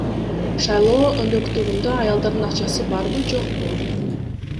Шайлоо өнөктүгүндө аялдардын акчасы барбы, жокпу?